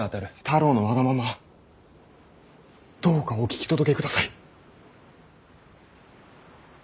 太郎のわがままどうかお聞き届けください。